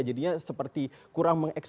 jadinya seperti kurang mengeksekusi